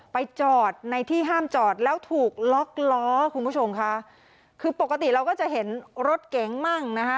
ไปจอดในที่ห้ามจอดแล้วถูกล็อกล้อคุณผู้ชมค่ะคือปกติเราก็จะเห็นรถเก๋งมั่งนะคะ